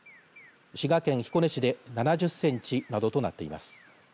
滋賀県彦根市で７０センチなどとなっています。